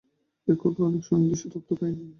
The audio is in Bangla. এখনও অনেক সুনির্দিষ্ট তথ্য পাইনি।